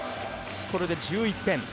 これで１１点。